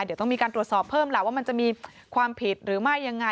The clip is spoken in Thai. เดี๋ยวต้องมีการตรวจสอบเพิ่มล่ะว่ามันจะมีความผิดหรือไม่ยังไง